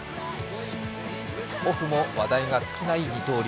オフも話題が尽きない二刀流。